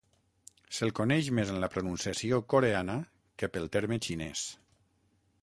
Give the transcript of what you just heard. Se'l coneix més en la pronunciació coreana que pel terme xinès.